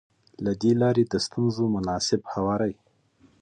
له دې لارې د ستونزو مناسب هواری.